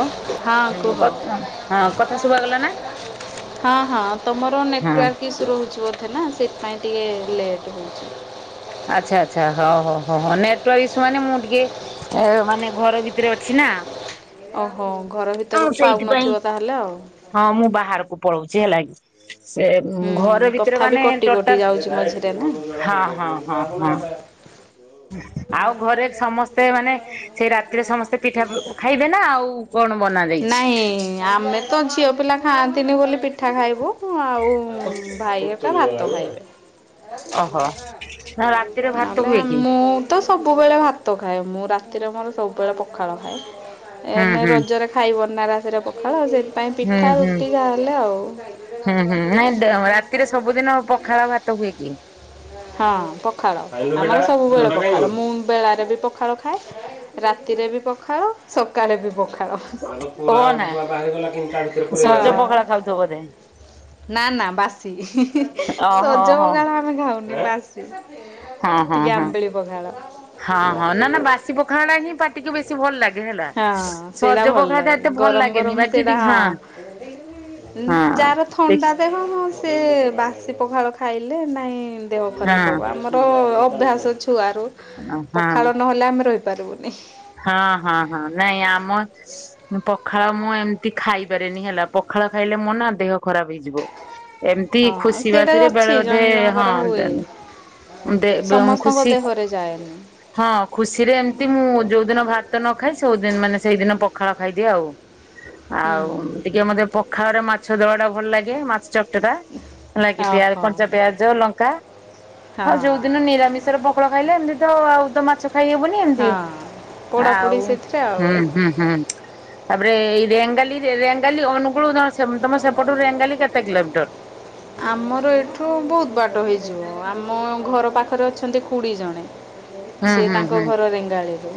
ଅଁ, ହଁ ଏଇ କୁହ। କଥ ଅଁ, ହଁ କଥା ଶୁଭା ଗଲା ନା? ହଁ ହଁ ତୋମର ହଁ ନେଟୱାର୍କ ଇସୁ ରହୁଛି ବୋଧେ ନା ସେଥିପାଇଁ ଟିକେ ଲେଟ୍ ହଉଛି? ଆଚ୍ଛା, ଆଚ୍ଛା ହଉ ହଉ ହଉ ହଁ ନେଟୱାର୍କ ଇସୁ ମାନେ ମୁଁ ଟିକେ ଏ ମାନେ ଘର ଭିତିରେ ଅଛି ନା। ଓହୋ ଘର ଭିତ ହଁ ସେଇଥିପାଇଁ। ସେ ଉଁ, ହୁଁ ଘର ଭିତରେ କଥା ବି ମାନେ କଟି କଟି ଟୋଟାଲ ଯାଉଛି ମଝିରେ ନା। ହଁ, ହଁ, ହଁ, ହଁ। ଆଉ ଘରେ ସମସ୍ତେ ମାନେ ସେଇ ରାତିରେ ସମସ୍ତେ ପିଠା ଖାଇବେ ନା ଆଉ କଣ ବନାଯାଏ? ନାଇଁ ଆମେ ତ ଝିଅ ପିଲା ଖାଆନ୍ତିନି ବୋଲି ପିଠା ଖାଇବୁ। ଆଉ ଭାଇ ଏକା ଭାତ ଖାଇବେ। ଓହୋ, ନା ରାତିରେ ଭାତ ନହେଲେ ହୁଏ କି? ମୁଁ ତ ସବୁବେଳେ ଭାତ ଖାଏ। ମୁଁ ରାତିରେ ମୋର ସବୁବେଳେ ପଖାଳ ଖାଏ। ହୁଁ ଏନେ ହୁଁ ରଜରେ ଖାଇବନ ନା ରାତିରେ ପଖାଳ ଆଉ ସେଥିପାଇଁ ହୁଁ ପିଠା ହୁଁ ରୁଟି ଯାହା ହେଲେ ଆଉ। ହୁଁ, ହୁଁ ନାଇଁ ଡେ- ରାତିରେ ସବୁଦିନ ପଖାଳ ଭାତ ହୁଏ କିି? ହଁ ପଖାଳ ଆମର ହୁଁ ସବୁବେଳେ ପଖାଳ। ମୁଁ ବେଳାରେ ବି ପଖାଳ ଖାଏ ରାତିରେ ବି ପଖାଳ। ସକାଳେ ବି ପଖାଳ। ହଁ। ଓ ନା ସଜ ପଖାଳ ଖାଉଥିବ ବୋଧେ ନା ନା ବାସି, ଓହୋ ସଜ ହୋ ପଖାଳ ଆମେ ଖାଉନୁ। ବାସ ହଁ [inaudible] ହଁ ଟିକେ ହଁ। ଆମ୍ବିଳି ପଖାଳ। ହଁ ହଁ ନା ନା ବାସି ପଖାଳ ଟା ହିଁ ପାଟିକି ବେଶୀ ଭଲ ଲାଗେ ହଁ ହେଲାହ ସେଇଟା ସଜ ଭଲ ପଖାଳ ଟା ଲାଗେ ଏ ତେ ଭଲ ଗରମ ଲାଗେନି। ଗରମ ବାକି ସେଇଟା ଟି ହଁ ହଁ ଯାହାର ଦେଖ ଥଣ୍ଡା [unintelligible] ସେ ବାସି ପଖାଳ ଖାଇଲେ ନାହିଁ ଦେହ ହଁ ଖରାପ ହବ। ଆମର ତ ଅଭ୍ୟାସ ଛୁଆ ରୁ ହଁ ପଖାଳ ନହେଲେ ଆମେ ରହି ପାରିବୁନି। ହଁ, ହଁ, ହଁ ନାଇଁ ଆମ ମୁଁ ପଖାଳ ମୁଁ ଏମିତି ଖାଇପାରେନି ହେଲା। ପଖାଳ ଖାଇଲେ ମୋ ନା ଦେହ ଖରାପ ହେଇଯିବ। ଏମତି ହଁ ଆଉ ଖୁସି ସେଇଟା ବାସିରେ ଅଛି ବେଳେ ଅଧେ ଜଣେ ଜଣଙ୍କର ହଁ ହୁଏ [unintelligible] ଦେ ସମସ୍ତଙ୍କ ଖୁସି ଦେହରେ ଯାଏନି। ହଁ ଖୁସିରେ ଏମିତି ମୁଁ ଯୋଉଦିନ ଭାତ ନଖାଏ ସୋଉଦିନ ମାନେ ସେଇଦିନ ପଖାଳ ଖାଇଦିଏ ଆଉ। ହୁଁ ଆଉ ଟିକେ ମୋତେ ପଖାରେ ମାଛ ଦଳା ଟା ଭଲ ଲାଗେ। ମାଛ ଚ ଚଟା ନାକି ପିଆ ଓହୋ କଞ୍ଚା ପିଆଜ ଲଙ୍କା ଆଉ ହଁ ଯୋଉ ଦିନ ନିରାମିଷରେ ପ ଖାଳ ଖାଇଲେ ଏମିତି ତ ଆଉ ତ ମାଛ ଖାଇ ହେବନି ଏମିତି। ହଁ ପୋଡ଼ାପୋଡ଼ି ଆଉ ସେଥିରେ ଆଉ। ହୁଁ, ହୁଁ, ହୁଁ ତାପରେ ଏଇ ରେଙ୍ଗାଲି ରେ-ରେଙ୍ଗାଲି ଅନୁଗୁଳର ତୋମ ସେ ଉଁ, ତୋମ ସେପଟୁ ରେଙ୍ଗାଲି କେତେ କିଲୋମିଟର? ଆମର ଏଠୁ ବହୁତ ବାଟ ହେଇଯିବ। ଆମ ଘର ପାଖରେ ଅଛନ୍ତି ଖୁଡି ଜଣେ। ହୁଁ ସେ ହୁଁ ତାଙ୍କ ହୁଁ ଘର ରେଙ୍ଗାଳି ରୁ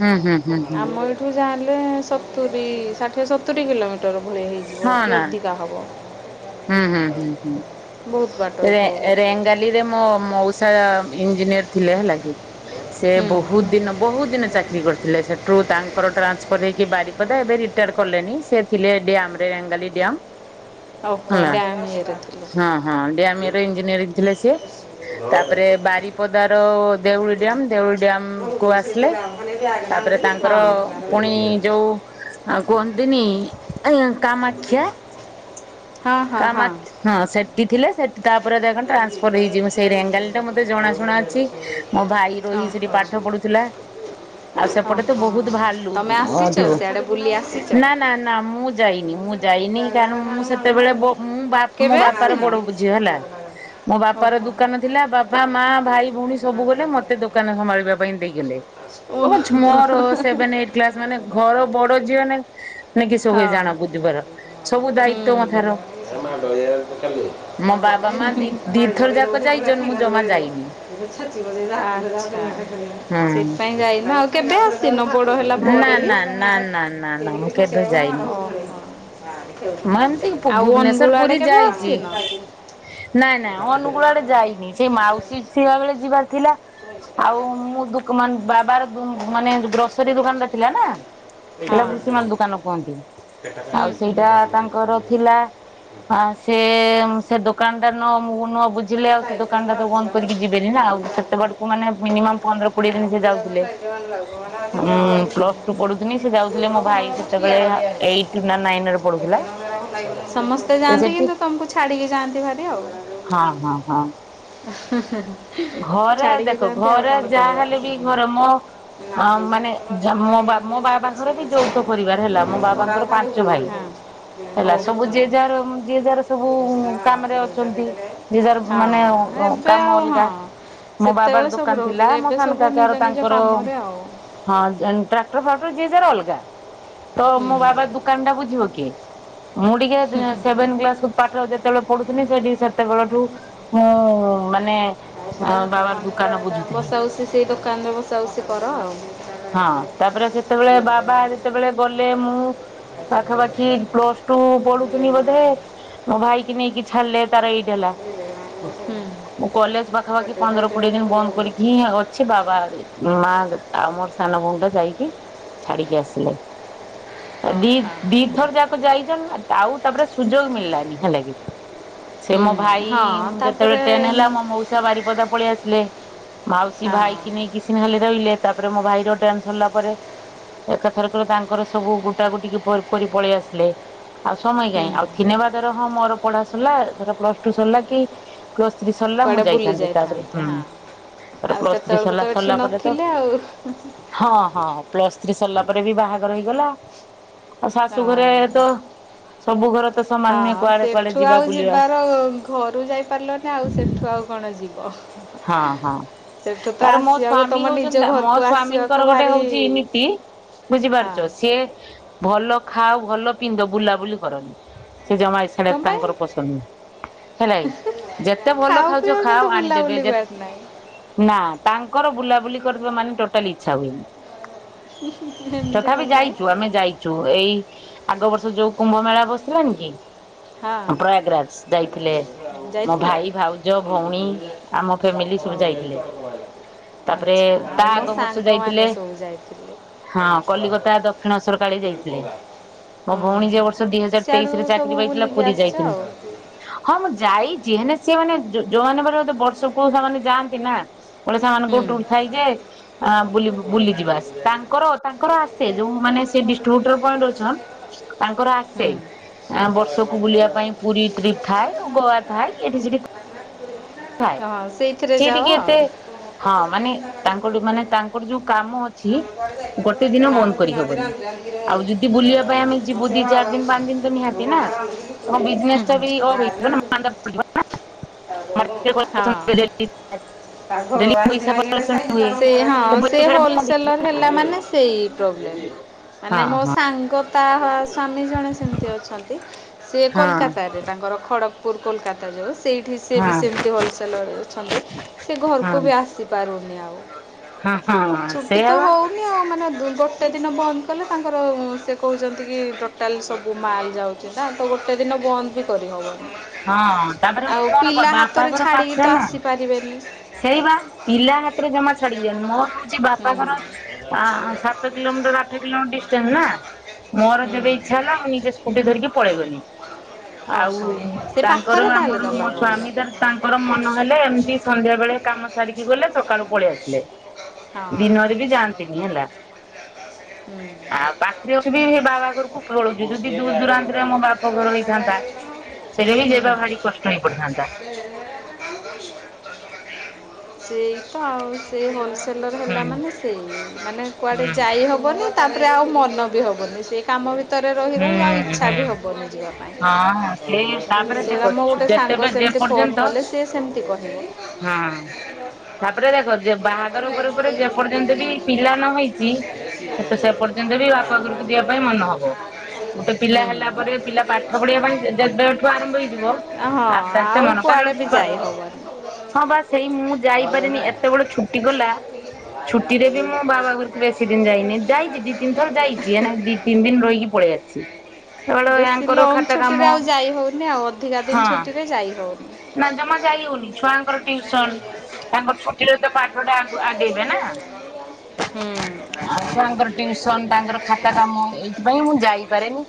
ହୁଁ ହୁଁ ହୁଁ ହୁଁ ଆମ ଏ ଏଠୁ ଯାହେଲେ ସତୁରି ଷାଠିଏ ସତୁରି କିଲୋ ମିଟର ଭଳି ହେଇଛି। ହଁ ନା ହୁଁ ବହୁତ ବାଟ ହୁଁ ରେ ଏଠୁ ହବ ରେଙ୍ଗୋ ଳିରେ ମୋ ମଉସା ଇଞ୍ଜିନିୟର ଥିଲେ ହେଲା କି ସେ ହୁଁ ବହୁତ ଦିନ ବହୁତ ଦିନ ଚାକିରୀ କରୁ ଥିଲେ ସେଠୁ ତାଙ୍କର ଟ୍ରାନ୍ସଫର ହେଇକି ବାରିପଦା ଏବେ ରିଟାୟାଡ୍ କଲେଣିି ସେ ଥିଲେ ଡି ରେଙ୍ଗାଲି ଡ଼୍ୟାମ୍। ଓହୋ ହେଲା ଡ୍ୟାମ୍ ଇଏରେ ହଁ ହଁ ଡ୍ୟାମ୍ ରେ ଥିଲେ। ଇଞ୍ଜିନିୟରିଂ ଥିଲେ ସିଏ। ତାପରେ ବାରିପଦାର ଦେଉଳି ଡ୍ୟାମ୍ ଦେଉଳି ଡ୍ୟାମ୍ କୁ ଆସିଲେ। ହଁ ତାପରେ ତାଙ୍କର ପୁଣି ଯୋଉ ଆଉ କୁହନ୍ତିନି ଏ କାମାକ୍ଷା ହଁ କାମା ହଁ। ହଁ ସେଠି ଥିଲେ ସେ ତାପରେ ଦେଖ ଟ୍ରାନ୍ସଫର ହେଇଛି ମୁଁ ସେଇ ରେଙ୍ଗାଲୀ ଟା ମୋତେ ଓହୋ ଜଣାଶୁଣା ଅଛି ମୋ ଭାଇ ରହି ସେଠି ପାଠ ପଢୁ ଥିଲା ଆଉ ସେପଟେ ତ ଓହୋ ବହୁତ ଭାଲ ତମେ ଆସିଛ ଥିବ ସିଆଡ଼େ ବୁଲି ଆସିଛ? [unintelligible] ନା ନା ନା ମୁଁ ଯାଇନି ମୁଁ ଯାଇନି କାରଣ ମୁଁ ସେ ସେତବେଳେ ମୁଁ ମ ମୋ କେବେ ବାପାର ଆସିନ? ବଡ ଝିଅ ହେଲା। ମୋ ବାପାର ଓହୋ। ଦୁକାନ ଥିଲା ବାପା ମା ଭାଇ ଭଉଣୀ ସବୁ ଗଲେ ମତେ ଦୋକାନ ସମ୍ଭାଳିବା ପାଇଁ ଦେଇଗଲେ। ଓ କହୁଛି ମୋର ସେଭେନ୍ ଏଇ ଟ୍ କ୍ଲାସ୍ ମାନେ ଘର ବଡ ଝିଅ ମାନେ କିସ ହୁଏ ହଁ। ଜାଣ ବୁଧବାର ସବୁ ଦାୟ ତ୍ୱ ତମଥର ଅ ଦୟା ବା ସେତବେଳେ ବାବା ମା ଦି ଦିଥର ଯାକ ଯାଇଛନ୍ ମୁଁ ଜମା ଯାଇନି [unintelligible] ଆଛା ହୁଁ। ସେଥିପାଇଁ ଯାଇନ ଆଉ କେବେ ଆସିନ ବଡ ହେଲା ନା ପରେ ନା ନା ନା ନା ନା ମୁଁ ବି କେବେ ଯାଇନି। ଓହୋ ମୁଁ ଏମିତି ଆଉ ଭୁବନେଶ୍ଵର ଅନୁଗୁଳ ପୁରୀ ଆଡେ କେବେ ଯାଇଛି। ଆସିନ ନାଇଁ ଏଇଟା ନାଇଁ ହୁଁ, ଅନୁଗୁଳ୍ ଆଡେ ଯାଇନି ସେ କାଟିଦେଲି। ମାଉସୀ ସେଇଆ ବେଳେ ହୁଁ। ଯିବାର ଥିଲା ଏଇଟା ଆଉ ମୁଁ ବାବାର ମାନେ ଗ୍ରୋସରୀ ଦୋକାନରେ ଥିଲା ନା ସେଇଟା ଭୁଷିମାଲ ଦୋକାନ କୁହନ୍ତି। ଆଉ ସେଇଟା ତାଙ୍କର ଥିଲା ସେ ସେ ଦୋକାନଟାର ନ ମୁଁ ନୁହଁ ବୁଝ ଝିଲେ ଆଉ ସେ ଦୋକାନ ଟା ତ ବନ୍ଦ କାଟିଦେଲି। ହୁଁ। କରିକି ଯିବେନି ନା ଆଉ ସେତେ ଆ ବାଟକୁ ମାନେ ମିନିମମ୍ ପନ୍ଦର କୋଡିଏ ଦିନ ସେ ଯାଉଥିଲେ। ହଁ ପ୍ଲସ ଟୁ ପଢୁଥିଲି ସେ ଯାଉଥିଲେ ମୋ ଭାଇ ସେତେବେଳେ ଏଇ ସମସ୍ତେ ନାଇନ୍ ରେ ପଡୁଥିଲା ସମସ୍ତେ ଯାଆନ୍ତି କିନ୍ତୁ ତମକୁ ଛାଡିକି ଯାଆନ୍ତି ଭାରି ଆଉ ହଁ ହଁ ହଁ ହଁ ହଁ ହଁ ଘରେ ଦେଖ ଘରେ ଯାହା ହଁ ହେଲେ ବି ଘରେ ମୋ ଅ ମାନେ ମୋ ମୋ ବାବାଙ୍କର ବି ଯଉଥ ପରିବାର ହେଲା ମୋ ବାବାଙ୍କର ପାଞ୍ଚ ଭାଇ ହେଲା ସବୁ ଯିଏ ଯାହାର ଯିଏ ଯାହାର ସବୁ କାମ ରେ ଅଛନ୍ତି ଯିଏ ଯାର ମାନେ ଏବେ କାମ ଆଉ ହଁ ଅଲଗା ମୋ ବାବାର ସେତେବେଳେ ସବୁ ଦୋକାନ ଥିଲା ରହୁଥିଲେ ମୋ ଏବେ ସାନ ସବୁ ନିଜ କାକାର ନିଜ ତାଙ୍କର କାମରେ ଆଉ ହଁ ଟ୍ରାକ୍ଟର ଫ୍ରାକ୍ଟର ଜିଏ ଜାର ଅଲଗା ତ ମୋ ବାବା ହୁଁ ଦୁକାନ ଟା ବୁଝିବ କିଏ ମୁଁ ଟିକେ ସେଭେନ୍ କ୍ଲାସ ପାଠ ଯେତେବେଳେ ପଢୁଥିଲି ସେଠି ସେତେବେଳଠୁ ମୁଁ ମାନେ ବାବାର ଦୋକାନ ବୁଝୁଥିଲି। ବସା ବୁସି ସେଇ ଦୋକାନରେ ବସା ବୁସି କର ଆଉ ହଁ ତାପରେ ସେତେବେଳେ ହୁଁ। ବାବା ଯେତେବେଳେ ଗଲେ ମୁଁ ପାଖାପାଖି ପ୍ଲସ ଟୁ ପଢୁଥିନି ବୋଧେ ମୋ ଭାଇକିି ନେଇକି ଛାଡ଼ିଲେ ତାର ଏଇଟ୍ ହେଲା। ହୁଁ। ପାଖାଖି ପନ୍ଦର କୋଡିଏ ଦିନ ବନ୍ଦ କରିକି [unintelligible] ଅଛି ବାବା ଆଡେ, ମାଆ [inaudible] ଆଉ ମୋର ସାନ ଭଉଣୀଟା ଯାଇକି ଛାଡିକି ଆସିଲେ‌। ତ ଦି-ଦିଥର ଯାକ ଯାଇଛନ୍ତି ନା ଆଉ ତାପରେ ସୁଯୋଗ ମିଳିଲାନି, ହେଲା କି। ସେ ହୁଁ ମୋ ଭାଇ-ଇ-ଇ ହଁ ଉଁ ଯେତେବେଳେ ତାପରେ ଟେନ ହେଲା ମୋ ମଉସ୍ ବାରିପଦା ପଳେଇ ଆସିଲେ, ମାଉସୀ ହଁ ଭାଇ କି ନେଇକି [unintelligible] ରହିଲେ ତାପରେ ମୋ ଭାଇର ଟେନ୍ ସରିଲ ପରେ ଏକାଥରକରେ ତାଙ୍କର ସବୁ ଗୁଟା ଗୁଟିକି ପର୍ କରି ପଳେଇ ଆସିଲେ। ଆଉ ସମୟ ହୁଁ କାହିଁ, ଆଉ ଥିନେବା ଧର ହଁ ମୋର ପଢା ସରିଲା ଧର ପ୍ଲସ ଟୁ ସରିଲା କି ପ୍ଲ ଥ୍ରୀ ସରିଲା ମୁଁ କୁଆଡ଼େ ଯାଇ ବୁଲି ଥାନ୍ତି, ତାପରେ ଯାଇଥାନ୍ତେ ହୁଁ ହଁ ତାପରେ ଆଉ ପ୍ଲସ୍ ଥ୍ରୀ ସେତେବେଳକୁ ସରିଲା, ତ ଏଠି ସରିଲା ପରେ ତ ନଥିଲେ ଆଉ। ହଁ-ହଁ, ପ୍ଲସ୍ ଥ୍ରୀ ସରିଲା ପରେ ବି ବାହାଘର ହେଇଗଲା। ଆଉ ହଁ ଶାଶୁ ଘରେ ତ, ସବୁ ଘର ତ ସମାନ ନୁହେଁ ହଁ କୁଆଡେ-କୁଆଡେ ସେଠୁ ଯିବା ଆଉ ବୁଲିବା। ଯିବାର ଘରୁ ଯାଇପାରିଲନି ନା ଆଉ ସେଠୁ ଆଉ କଣ ଯିବ। ହଁ-ହଁ। ସେଠୁ ତ ତାପରେ ମୋ ଆସିବାକୁ ସ୍ଵାମୀ ତମ ନିଜ ହଉଛନ୍ତି ନା ମୋ ଘରକୁ ଆସିବାକୁ ସ୍ଵାମୀଙ୍କର ଗୋଟେ ଭାରି ହଉଛି ନୀତି ହଁ ବୁଝିପାରୁଛ, ସିଏ ଭଲ ଖାଅ ଭଲ ପିନ୍ଧ, ବୁଲାବୁଲି କରନି ସେ ଜମା ଇସ୍ ହେରା କଣ ପାଇଁ ତାଙ୍କର ପସନ୍ଦ ନୁହେଁ, ହେଲେ ଯେତେ ଭଲ ଖାଅ ଖାଉଛ ପିଅ କିନ୍ତୁ ଖାଅ ଆଣି ଦେବେ ବୁଲାବୁଲି ଯେତ୍, କୁଆଡ଼େ ନାହିଁ ନା ତାଙ୍କର ବୁଲାବୁଲି କରିବା ମାନେ ଟୋଟାଲି ଇଚ୍ଛା ହୁଏନି। ଏମିତି କଣ ତଥାପି ପାଇଁ ଯାଇଛୁ ଆମେ ଯାଇଛୁ ଏଇ ଆଗ ବର୍ଷ ଯୋଉ କୁମ୍ଭ ମେଳା ବସିଲାନି କି? ହଁ, ପ୍ରୟାଗରାଜ ଯାଇଥିଲେ ମୋ ଯାଇଥିଲ? ଭାଇ ଭାଉଜ ହଁ। ଭଉଣୀ ଆମ ଫ୍ୟାମିଲି ସବୁ ଯାଇଥିଲେ ତାପରେ ଆଚ୍ଛା, ଆଉ ତା ମୋ ଆଗ ବର୍ଷ ଯାଇଥିଲେ ସାଙ୍ଗମାନେ ସବୁ ଯାଇଥିଲୁ। ହଁ କଲିକତା ଦକ୍ଷିଣେଶ୍ୱର କାଳୀ ଯାଇଥିଲେ, ମୋ ହଁ ଭଉଣୀ ଯୋଉ ବର୍ଷ ଦି ହଜାର ସିଆଡ଼ୁ ତେଇଶିରେ ସବୁ ଚାକିରି ପାଇଥିଲା ବୁଲିକି ପୁରୀ ଆସିଛ ଯାଇଥିନି, ଆଉ ହୁଁ। ହଁ ମୁଁ ଯାଇଛି ହେଲେ ସିଏ ମାନେ ଯୋଉ ଯୋଉମାନେ [unintelligible] ବର୍ ସବୁ କୋଉ ସାଙ୍ଗମାନେ ଯାଆନ୍ତି ନା। ଗୋଟେ ସାଙ୍ଗମାନଙ୍କ ଟୁର୍ ଥାଏ ଯେ ଆଁ ବୁଲି-ବୁଲିଯିବା ଆସ୍ ତାଙ୍କର-ତାଙ୍କର ଆସ୍ ସେ ଯୋଉ ମାନେ ସେ ଡିଷ୍ଟ୍ରିବ୍ୟୁଟର [unintelligible] ତାଙ୍କର ଆସେ। ଆଁ ବର୍ଷକୁ ବୁଲିବା ପାଇଁ ହୁଁ। ପୁରୀ ଟ୍ରିପ ଥାଏ ଗୋଆ ଥାଏ ଏଠି-ସେଠି। ହଁ ସେଇଥିରେ ସିଏ ଟିକେ ଯାଅ ଆଉ। ଏତେ ହୁଁ ହଁ ମାନେ ତାଙ୍କଠୁ ମାନେ ତାଙ୍କଠୁ ଯୋଉ କାମ ଅଛି ଗୋଟେ ଦିନ ବନ୍ଦ କରିହବନି ହଁ। ଆଉ ଯଦି ବୁଲିବା ପାଇଁ ଆମେ ଯିବୁ ଦି ହୁଁ-ହୁଁ। ଚାରି ଦିନ ପାଞ୍ଚ ଦିନ ତ ନିହାତି ନା। ହଁ। ତମ ବିଜନେସ ଟା ବି ଅଫ୍ ହେଇଯିବ ନା ମାନ୍ଦା ପଡିଯିବ। ସେ ମାର୍କେଟ କଲେକ୍ସନ ହଁ ଡେଲି ଡେଲି ପଇସା ସେ କଲେକ୍ସନ ହୁଏ ତ ପଇସା ଟା ବନ୍ଦ ହୋଲସେ ହେଇଯିବ। ସେଲର ହେଲା ମାନେ ସେଇ ପ୍ରୋବଲେମ୍ ହଁ ମାନେ ମୋ ସା ହଁ ସାଙ୍ଗ ତା-ଆ-ଆ ସ୍ଵାମୀ ଜଣେ ସେମିତି ଅଛନ୍ତି ସିଏ ହଁ କୋଲକାତାରେ। ତାଙ୍କର ଖଡ଼ଗପୁର କୋଲକାତା ଯୋଉ ସେଇଠି ସିଏ ବି ହଁ ସେମିତି ହୋଲସେଲର ଅଛନ୍ତି ସେ ହଁ ଘରକୁ ବି ଆସିପାରୁନି ଆଉ। ହଁ ହଁ-ଅ-ଅ ଛୁଟି ତ ସେଇଆ ବା। ଆଉ ମାନେ ଗୋଟେ ଦିନ ବନ୍ଦ କଲେ ତାଙ୍କର ସେ କହୁଛନ୍ତି କି ଟୋଟାଲ ସବୁ ମାଲ୍ ଯାଉ ଗୋଟେ ଦିନ ବନ୍ଦ ବି କରିହବନି। ହଁ ତାପରେ ଆଉ ମୋର କଣ ପିଲା ହାତରେ ବାପାଘର ଛାଡ଼ିକି ତ ପାଖରେନା। ଆସିପାରିବେନି ହୁଁ। ସେଇ ବା, ପିଲା ହାତରେ ଜମା ଛାଡିି ଦିଅନ୍ତୁନି। ମୋର ହଉଛି ବା ତାଙ୍କର ସାତ କିଲୋମିଟର ଆଠ କିଲୋମିଟର ଡିଷ୍ଟାନ୍ସ ନା। ମୋର ହୁଁ ଯେବେ ଇଚ୍ଛା ହେଲା ମୁଁ ନିଜେ ସ୍କୁଟି ଧରିକି ପଳେଇଗଲି। ଆଉ ଓହୋ ସେ ତାଙ୍କର ପାଖରେ ତାହେଲେ ଆମର ତମ ମୋ ବାପଘର ସ୍ଵାମୀ ଧର ତାଙ୍କର ମନ ହେଲେ ଏମତି ସନ୍ଧ୍ୟା ବେଳେ କାମ ସାରିକି ଗଲେ ସକାଳୁ ପଳେଇ ଆସିଲେ। ହଁ। ଜାଆନ୍ତିନି ହେଲା। ହୁଁ। ଆଉ ପାଖରେ ଅଛି ବି ବାବା ଘରକୁ ପଳଉଛି ଯଦି ଗୋଟିଏ ଦୂର ଜାଗା ଦୋକାନ। ଦୁରାନ୍ତରେ ହୁଁ ମୋ ହୁଁ ବାପ ଘର ହେଇଥାନ୍ତା ସେଇଲାଗି ଯିବା ଭାରି କଷ୍ଟ ହେଇପଡିଥାନ୍ତା। [unintelligible] ସେଇ ମନସେଲର୍ ହୁଁ ହେଲା ମାନେ ସେଇ ମାନେ ହୁଁ କୁଆଡେ ଯାଇ ହବନି ତାପରେ ଆଉ ମନ ବି ହବନି। ସେ କାମ ଭିତରେ ରହି ରହି ଆଉ ହୁଁ ଇଚ୍ଛା ହୁଁ। ବି ହବନି ଯିବା ପାଇଁ। ହଁ ସେ ତାପରେ ଦେଖ ସେରା ମୋ ଗୋଟେ ସାଙ୍ଗ ଯେତେବେ ଯେ ସେମିତି ଫୋନ୍ ପର୍ଯ୍ୟନ୍ତ କଲେ ସିଏ ସେମିତି କହେ। ହଁ ତାପରେ ଦେଖ ଯେ ବାହାଘର ପରେ ପରେ ଯେ ଯେ ପର୍ଯ୍ୟନ୍ତ ବି ପିଲା ନ ହେଇଛି ତ ସେ ପର୍ଯ୍ୟନ୍ତ ବି ବାପ ଘରକୁ ଯିବା ପାଇଁ ମନ ହବ। ଗୋଟେ ପିଲା ହୁଁ ହେଲା ପରେ ପିଲା ପାଠ ପଢିବା ପାଇଁ ଯେବେଠୁ ଆରମ୍ଭ ହେଇଯିବ। ହଁ ଆସ୍ତେ ଆସ୍ତେ ଆଉ ମନ କୁଆଡ଼େ ବି କାରଣ ଯାଇ ହବନି। ହଁ ବା, ସେଇ ମୁଁ ଯାଇପାରେନି ଏତେ ବଡ ଛୁ ଛୁଟିଗଲା ଛୁଟିରେ ବି ମୁଁ ବାବାଘରକୁ ବେଶୀ ଦିନ ଯାଇନି ଯାଇଛି ଦି ନି ଥର ଯାଇଛିି। ଏଇନା ତିନି ଦିନ ରହିକି ପଳିଆସିଛି। ବେଶୀ ଲଙ୍ଗ ଛୁଟି ରେ ଆଉ ଯାଇ ହଉନି ଆଉ ଅଧିକା ହଁ ଦିନ ଛୁଟିରେ ଯାଇ ହଉନି। ନା ଜମା ଯାଇ ହଉନି ଛୁଆଙ୍କର ଟିଉସନ୍। ତାଙ୍କର ଛୁଟିର ତ ପାଠ ଟା ଆଗୁଆ ଆଗେଇବେ ନା। ହୁଁ। ଆଉ ଛୁଆଙ୍କର ଟ୍ୟୁସନ ତାଙ୍କର ଖାତା କାମ ଏଇଥିପାଇଁ ମୁଁ ଯାଇପାରେନି।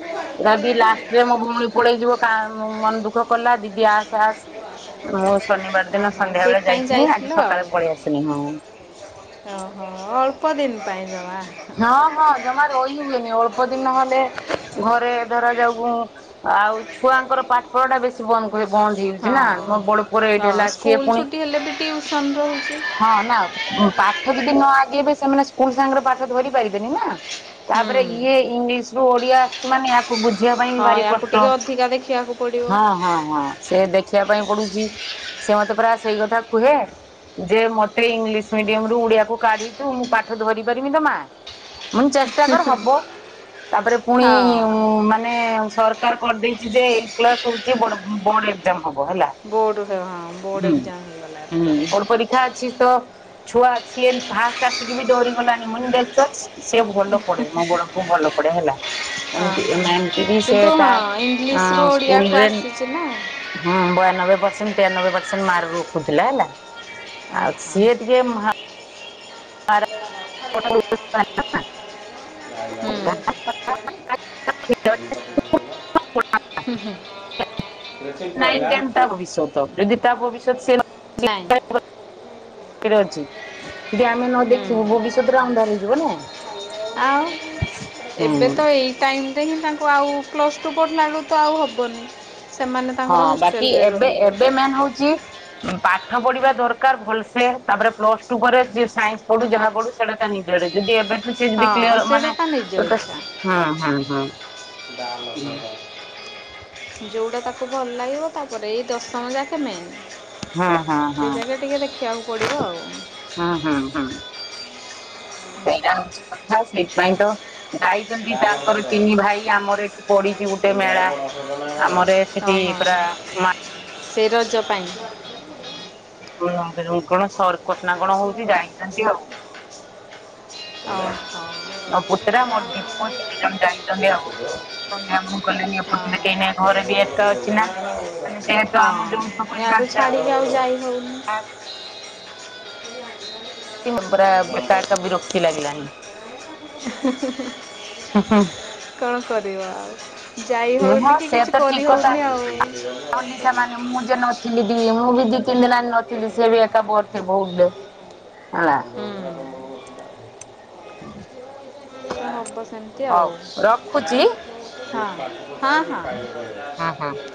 ବି ଲାଷ୍ଟରେ ମୋ ଭଉଣୀ ପଳେଇ ଯିବ କା ମନ ଦୁଃଖ କଲା ଦିଦି ଆସ୍ ଆସ୍। ମୁଁ ଶନିବାର ଦିନ ଓହୋ ସନ୍ଧ୍ୟା ବେଳେ ସେଇଥିପାଇଁ ଯାଇଥିନି ଯାଇଥିଲ ଆଜି ଆଉ। ସକାଳେ ପଳେଇ ଆସିନି ହୁଁ। ଓହୋ ଅଳ୍ପ ଦିନ ପାଇଁ ଯମା। ହଁ ହଁ, ଜମା ରହି ହୁଏନି ଅଳ୍ପ ଦିନ ନହେଲେ ଘରେ ଧର ଯାଉ ଆଉ ଛୁଆଙ୍କର ପାଠ। ପାଠଟା ବେଶୀ ବନ୍ଦ କରି ବନ୍ଦ ହେଇଯାଉଛି ନା ହଁ। ମୋ ବଡ଼ ପୁଅ ଏଇଟ୍ ହଁ ହେଲା। ସିଏ ସ୍କୁଲ ପୁଣି ଛୁଟି ହେଲେ [unintelligible] ହଁ ନା, ପାଠ ଯଦି ନ ଆଗେଇବେ ସେମାନେ ସ୍କୁଲ ସାଙ୍ଗରେ ପାଠ ଧରିପାରିବେନି ନା। ତାପରେ ଇଏ ଇଂଲିଶ ରୁ ଓଡିଆ ମାନେ ୟାକୁ ବୁଝିବା ପାଇଁ ବି ହଁ ଭାରି ୟାକୁ କଷ୍ଟ, ଟିକେ ଅଧିକା ଦେଖିବାକୁ ପଡ଼ିବ ହଁ ହଁ ହଁ। ସେ ଦେଖିବା ପାଇଁ ପଡୁଛି। ସେ ମତେ ପରା ସେଇ କଥା କୁହେ। ଯେ ମତେ ଇଂଲିଶ ମିଡିୟମ ରୁ ଓଡିଆକୁ କାଢିଚୁ ମୁଁ ପାଠ ଧରିପାରିବିତ ମା। ମୁଁ କହିଲି ଚେଷ୍ଟା କର ହବ ତାପରେ ହଁ ପୁଣି ମାନେ ସରକାର କରିଦେଇଛି ଯେ ଏଇଟ୍ କ୍ଲାସ୍ ହଉଛି ବୋର୍ଡ ବୋର୍ଡ଼ ଏକ୍ଜାମ ହବ ହେଲା। ବୋର୍ଡ ଦେବ। ହଁ, ବୋର୍ଡ ହୁଁ। ଏକଜାମ୍ ହେଇଗଲା ଏଥର। ବୋର୍ଡ [unintelligible] ଅଛି ତ ଛୁଆ ସିଏ ଫାଷ୍ଟ ଆସିକି ବି ଡରିଗଲାଣିି ମୁନି ଦେଖ ଛୁଆ ସେ ଭଲ ପଢେ ମୋ ଗୋଡକୁ ଭଲ ପଡେ ହେଲା। ହଁ ଏମତି ହଁ। ମାମ ଏମତି ବି ସେ କିନ୍ତୁ ତା ହଁ ଅ ଇଂଲିଶରୁ ଓଡ଼ିଆକୁ ସ୍କୁଲରେ ଆସିଛି ନା ହୁଁ ବୟାନବେ ପରସେଣ୍ଟ ତେୟାନବେ ପରସେଣ୍ଟ ମାରକ ରଖୁଥିଲା ହେଲା। ଆଉ ଓହୋ। ସିଏ ଟିକେ ମହା [inaudible] [unintelligible] ହୁଁ ହୁଁ। ରେସଲ୍ଟ ନାଇ ଆଇଲା ଟେନ୍ ତା ଭବିଷ୍ୟତ ଯଦି ତା ଭବିଷ୍ୟତ ସେ [unintelligible] ନାଇଁ [unintelligible] ଅଛି। ଯଦି ଆମେ ନ ଦେଖିବୁ ହୁଁ ଭବିଷ୍ୟତରେ ଅନ୍ଧାର ହେଇଯିବ ନା ହୁଁ। ସେଇ ଟାଇମ୍ ଏତେ ହିଁ ତାଙ୍କୁ ଆଉ ପ୍ଲସ୍ ଟୁ ପଡ଼ିଲା ବଳୁ ତ ଆଉ ହବନି। ସେମାନେ ହଁ ତାଙ୍କର ବାକି ହଷ୍ଟେଲରେ ଏବେ ରହିବେ ଏବେ ମାନ୍ ହଉଛି ପାଠ ପଢିବା ଦରକାର ଭଲସେ ତାପରେ ପ୍ଲସ ଟୁ ପରେ ଯିଏ ସାଇନ୍ସ ପଢୁ ଯାହା ପଢୁ ନିଦଟା ଯଦି ଏବେଠୁ ସେ ଯଦି ହଁ କ୍ଲିୟର ସେଇଟା ମାନେ ତା ନିଜ ଗୋଟେ ହୁଁ ହୁଁ। [unintelligible] ଯୋଉଟା ତାକୁ ଭଲ ଲାଗିବ ତାପରେ ଏଇ ଦଶମ ଯାକେ ମେନ୍। ହଁ ହଁ ସେ ଜାଗେ ଟିକେ ଦେଖିବାକୁ ପଡିବ ଆଉ। ହୁଁ ହୁଁ ହୁଁ। ସେଇଟା ହଉଛି କଥା ସେଇଥିପାଇଁ ତ ଯାଇଛନ୍ତି ଡାଲ ତାଙ୍କର ହ୍ରଦ ତିନି ଭାଇ ଆମର ଏଠି ପଡିଛି ଗୋଟେ ଇଣ୍ଡିଆର ମେଳା ବଡ଼ ହ୍ରଦ ନା ଆମର ସେଠି ପୁରା ସେ ରଜ ପାଇଁ। [unintelligible] କଣ ସରକସ୍ନା କଣ ହଉଛି ଜାଣିଛନ୍ତି ଆଉ। ଓହୋ ମୋ ପୁତ୍ରା ମୋର ଦି ପୁଅ ତିନି ଜଣ ସେ ଯାଇଛନ୍ତି ଆଉ। ଆସୁଥିବ ସନ୍ଧ୍ୟା ମୁଣୁ ଗଲେନି ଏ ହଁ ପର୍ଯ୍ୟତ କେହି ନାଇ ଘରେ ବି ଗରମ ଏକା ଯୋଉ ଅଛି ନା। ହେଲା ହେଲା ଆଉ ମାନେ ଯେହେତୁ ଆମ ଯୌଥ ପରିବାର ଯା ଯୋଉ ଯାଇ ହଉନି। [inaudible] [unintelligible] ପୁରା ଜଣଙ୍କ ଏକା ଏକା ବିରକ୍ତି ଲାଗିଲାଣିି। ହୁଁ ହୁଁ କଣ କରିବା ଆଉ? ଯାଇ ହଁ ହେଉନି କି ସେୟା କିଛି ତ କରି ଠିକ୍ କଥା ହେଉନି ଆଉ। ଆ ଅନି ସେମାନେ ମୁଁ ଯେ ନ ଚିଲିଦି ମୁଁ ବି ଦି ତିନି ଦିନ ଆଣି ନଥିଲି ସିଏ ବି ଏକା ବୋର୍ ଥିବ ବୋଲେ ହେଲା। [unintelligible] ହବ ସେମତି ହଉ ଆଉ। ରଖୁଛି। ହଁ ହଁ ହଁ ହଁ।